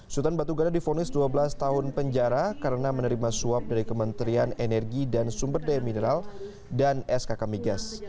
sultan batu gana difonis dua belas tahun penjara karena menerima suap dari kementerian energi dan sumber daya mineral dan skk migas